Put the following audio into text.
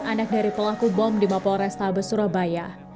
anak dari pelaku bom di mapoores tabes surabaya